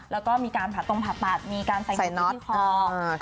แล้วก็มีการผ่าตรงผ่าตัดมีการใส่สีที่คอ